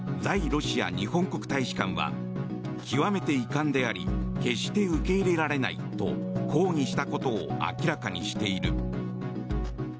ロシア日本国大使館は極めて遺憾であり決して受け入れられないと抗議したことを明らかにしている。